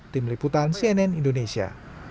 tim liputan cnn indonesia